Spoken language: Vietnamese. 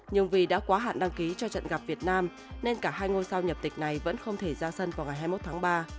nhưng vì đã quá hạn đăng ký cho trận gặp việt nam nên cả hai ngôi sao nhập tịch này vẫn không thể ra sân vào ngày hai mươi một tháng ba